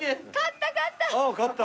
勝った勝った！